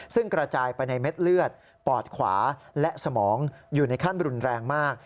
ซึ่งกระจายไปในเม็ดเลือดปอดขวาและสมองอยู่ในขั้นรุนแรงมาก